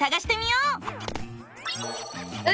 うん！